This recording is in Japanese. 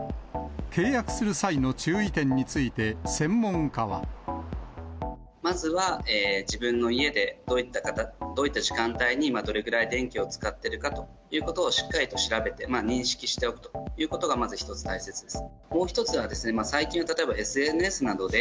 契約する際の注意点について、まずは自分の家で、どういった時間帯に、どれぐらい電気を使ってるかということを、しっかりと調べて、認識しておくということが、まず１つ、大切です。